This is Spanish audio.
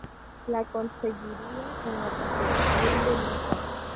La conseguiría en la competición de mazas.